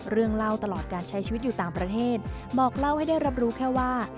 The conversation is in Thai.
เรื่องเล่าตลอดการใช้ชีวิตอยู่ต่างประเทศบอกเล่าให้ได้รับรู้แค่ว่า